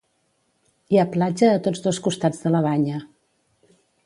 Hi ha platja a tots dos costats de la banya.